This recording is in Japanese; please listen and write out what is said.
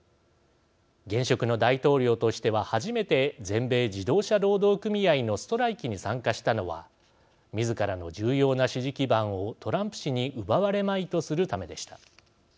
現職の大統領としては初めて全米自動車労働組合のストライキに参加したのはみずからの重要な支持基盤をトランプ氏に奪われまいとするためでした。